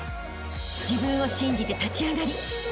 ［自分を信じて立ち上がりあしたへ